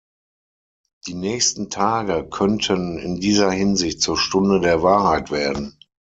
Die nächsten Tage könnten in dieser Hinsicht zur Stunde der Wahrheit werden.